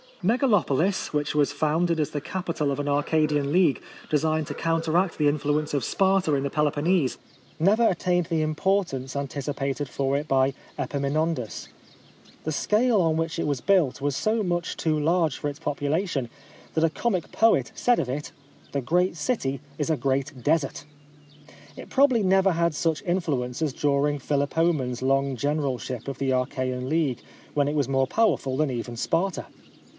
Megalopolis, which was founded as the capital of an Arcadian league, designed to counteract the influence of Sparta in the Peloponnese, never attained the importance anticipated for it by Epaminondas. The scale on which it was built was so much too large for its population, that a comic poet said of it, " the great city is a great desert." It probably never had such influence as during Philopoemen's long generalship of the Achaean League, when it was more powerful than even Sparta.